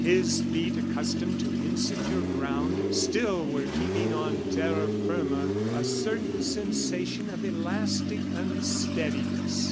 His feet accustomed to insecure ground, still were keeping on terra firma a certain sensation of elastic unsteadiness.